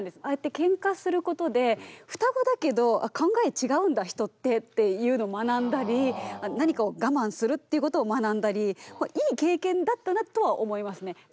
ああやってケンカすることで双子だけど考え違うんだ人ってっていうのを学んだり何かを我慢するっていうことを学んだりいい経験だったなとは思いますね。